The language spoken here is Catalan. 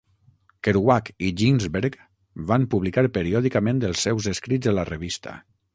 Kerouac i Ginsberg van publicar periòdicament els seus escrits a la revista.